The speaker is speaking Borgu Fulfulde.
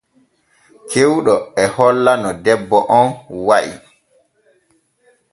Cewɗo e holla no debbo on wa’i.